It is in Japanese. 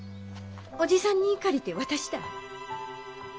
おじさんに借りて渡した。